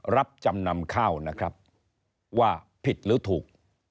รับจำนำข้าวว่าผิดหรือถูก